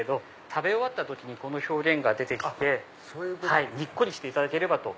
食べ終わった時にこの表現が出てにっこりしていただければと。